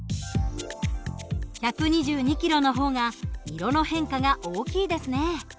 １２２ｋｍの方が色の変化が大きいですね。